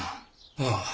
ああ。